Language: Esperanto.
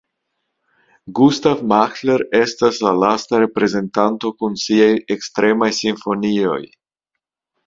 Gustav Mahler estas la lasta reprezentanto kun siaj ekstremaj simfonioj.